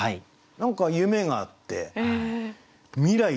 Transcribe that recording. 何か夢があって未来